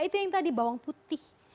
itu yang tadi bawang putih